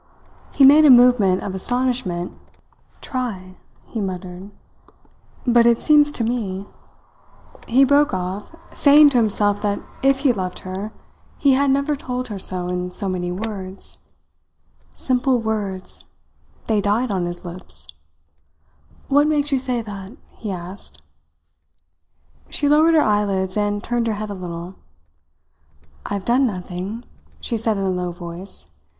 He made a movement of astonishment. "Try," he muttered. "But it seems to me " He broke off, saying to himself that if he loved her, he had never told her so in so many words. Simple words! They died on his lips. "What makes you say that?" he asked. She lowered her eyelids and turned her head a little. "I have done nothing," she said in a low voice.